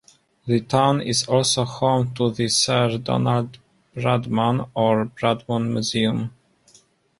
The town is also home to the Sir Donald Bradman or Bradman Museum.